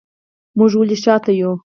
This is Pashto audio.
موږ ولې شاته یو